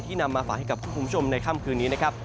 นำมาฝากให้กับคุณผู้ชมในค่ำคืนนี้นะครับ